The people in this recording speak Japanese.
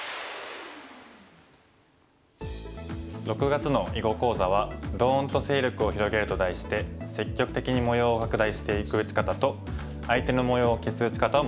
６月の囲碁講座は「ドーンと勢力を広げる」と題して積極的に模様を拡大していく打ち方と相手の模様を消す打ち方を学びます。